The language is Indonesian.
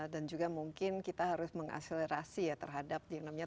dan juga mungkin kita harus mengakselerasi ya terhadap dinamikannya